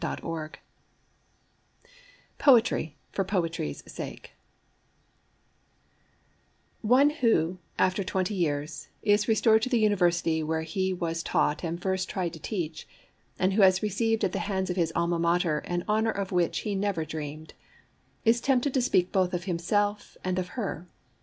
C. B. [Pg 5] POETRY FOR POETRY'S SAKE One who, after twenty years, is restored to the University where he was taught and first tried to teach, and who has received at the hands of his Alma Mater an honour of which he never dreamed, is tempted to speak both of himself and of her.